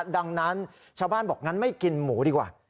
ดังนั้นชาวบ้านบอกงั้นไม่กินหมูดีกว่า